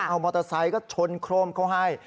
เอามอเตอร์ไซค์ก็ชนโครมเขาให้